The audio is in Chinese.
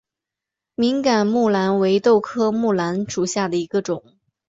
敏感木蓝为豆科木蓝属下的一个种。